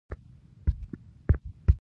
قهوه د رڼا فکر سرچینه ده